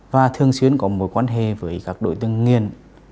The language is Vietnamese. và thường xuyên có mối quan hệ với các đối tượng nghiền